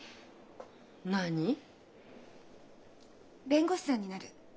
弁護士さんになる。